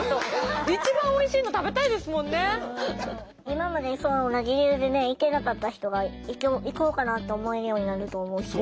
今まで同じ理由でね行けなかった人が行こうかなと思えるようになると思うし。